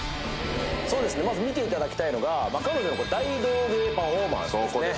そうですねまず見ていただきたいのが彼女の大道芸パフォーマンスですね。